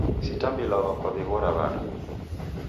Sitambliwagha kwaw'iaghora w'ada.